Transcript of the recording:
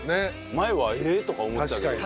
前はえっ？とか思ってたけどさ。